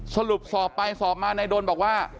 สรุปสอบไปสอบมานายดนบอกว่า